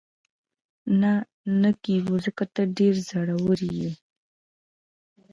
نه، نه کېږو، ځکه ته ډېره زړوره یې.